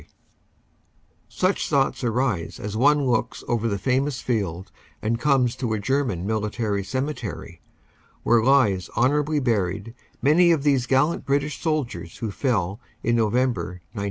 324 CANADA S HUNDRED DAYS Such thoughts arise as one looks over the famous field and comes to a German military cemetery where lie honor ably buried many of these gallant British soldiers who fell in November, 1917.